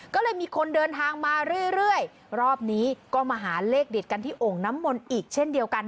ก็เลยมีคนเดินทางมาเรื่อยรอบนี้ก็มาหาเลขเด็ดกันที่โอ่งน้ำมนต์อีกเช่นเดียวกัน